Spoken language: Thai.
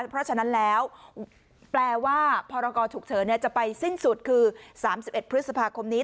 เพราะฉะนั้นแล้วแปลว่าพรกรฉุกเฉินจะไปสิ้นสุดคือ๓๑พฤษภาคมนี้